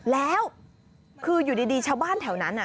แล้วคืออยู่ดีชาวบ้านแถวนั้น